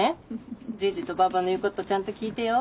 じぃじとばぁばの言うことちゃんと聞いてよ。